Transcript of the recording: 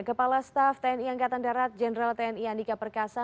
kepala staff tni angkatan darat jenderal tni andika perkasa